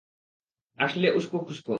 আসলে, উষ্কখুষ্ক।